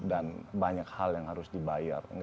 dan banyak hal yang harus dibayar